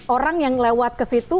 orang yang lewat ke situ